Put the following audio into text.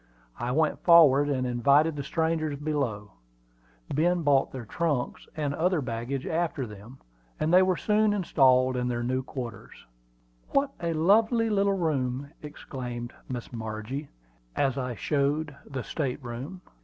I went forward and invited the strangers below. Ben brought their trunks and other baggage after them, and they were soon installed in their new quarters. "What a lovely little room!" exclaimed Miss Margie, as I showed the state room.